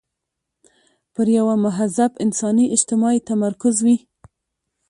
پر یوه مهذب انساني اجتماع یې تمرکز وي.